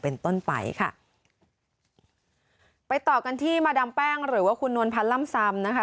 เป็นต้นไปค่ะไปต่อกันที่มาดามแป้งหรือว่าคุณนวลพันธ์ล่ำซำนะคะ